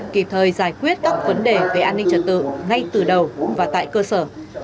kịp thời giải quyết các vấn đề về an ninh trật tự ngay từ đầu và tại cơ sở